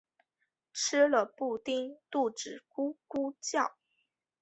吃了布丁肚子咕噜叫